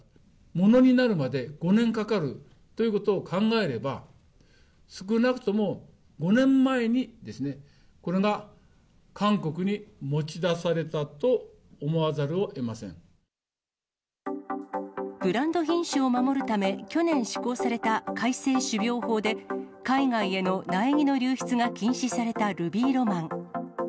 ものになるまで５年かかるということを考えれば、少なくとも５年前にこれが韓国に持ち出されたと思わざるをえませブランド品種を守るため、去年施行された改正種苗法で、海外への苗木の流出が禁止されたルビーロマン。